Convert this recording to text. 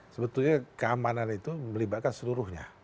sebetulnya keamanan itu melibatkan seluruhnya